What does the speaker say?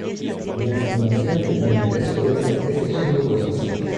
Las relaciones de parentesco de esta especie son dudosas.